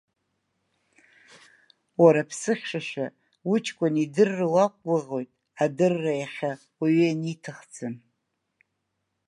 Уара аԥсыхьшәашәа, уҷкәын идырра уақәгәыӷуеит, адырра иахьа уаҩы ианиҭахӡам.